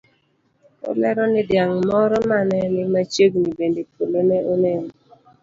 Olero ni dhiang' moro mane ni machiegni bende polo ne onego.